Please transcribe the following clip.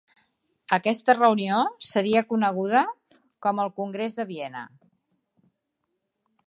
Aquesta reunió seria coneguda com el "Congrés de Viena".